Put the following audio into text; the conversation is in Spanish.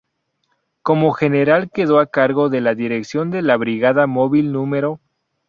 Como general quedó a cargo de la Dirección de la Brigada Móvil no.